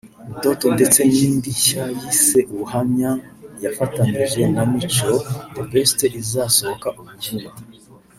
Mtoto ndetse ni ndi nshya yise Ubuhamya yafatanyije na Mico The Best izasohoka ubu vuba